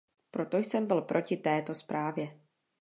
Proto jsem byl proti této zprávě.